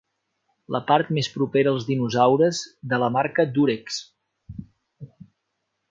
La part més propera als dinosaures de la marca Dúrex.